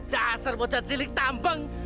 dasar bocah kecil tambang